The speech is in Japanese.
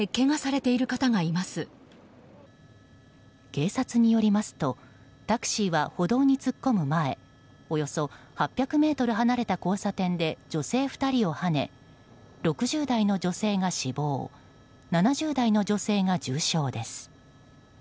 警察によりますとタクシーは歩道に突っ込む前およそ８００ｍ離れた交差点で女性２人をはね６０代の女性が死亡７０代の女性が重傷です。